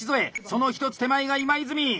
その一つ手前が今泉！